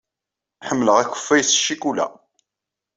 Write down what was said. Ḥemmleɣ akeffay s ccikula.